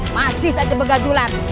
masih saja begajulan